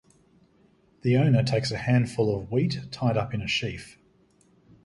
The owner takes a handful of wheat tied up in a sheaf.